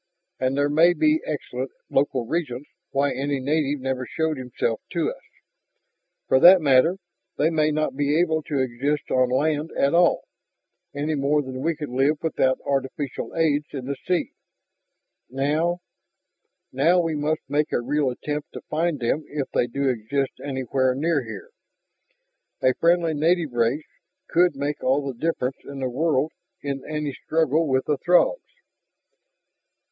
And there may be excellent local reasons why any native never showed himself to us. For that matter, they may not be able to exist on land at all, any more than we could live without artificial aids in the sea." "Now ?" "Now we must make a real attempt to find them if they do exist anywhere near here. A friendly native race could make all the difference in the world in any struggle with the Throgs."